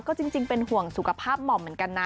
ก็จริงเป็นห่วงสุขภาพหม่อมเหมือนกันนะ